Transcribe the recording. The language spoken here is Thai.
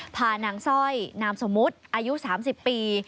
พานางสร้อยนามสมมุติอายุ๓๐ปี